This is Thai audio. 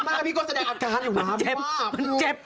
มันเจ็บ